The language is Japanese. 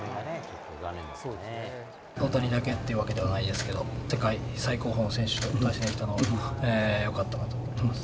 大谷だけっていうわけではないですけど、世界最高峰の選手と対戦できたのはよかったなと思ってます。